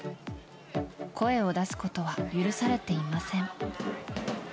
声を出すことは許されていません。